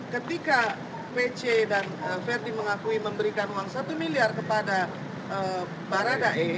ketika pc dan verdi mengakui memberikan uang satu miliar kepada baradae